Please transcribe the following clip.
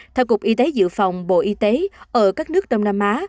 theo cục y tế dự phòng bộ y tế ở các nước đông nam á